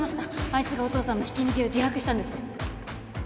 あいつがお父さんのひき逃げを自白したんです。